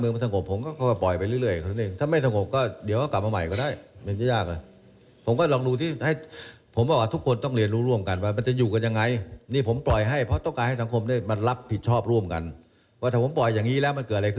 คศชผมก็คือต้องการบ้านเมืองมาสงบผมก็ปล่อยไปเรื่อย